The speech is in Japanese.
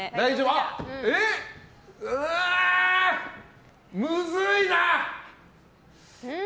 うーん、むずいな！